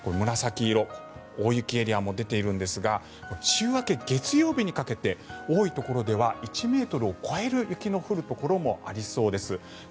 紫色大雪エリアも出ているんですが週明け月曜日にかけて多いところでは１ｍを超える雪の降るところもありそうです。